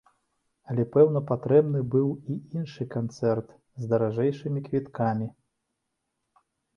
Але, пэўна, патрэбны быў бы і іншы канцэрт, з даражэйшымі квіткамі.